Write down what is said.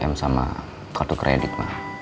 sama t m sama kartu kredit ma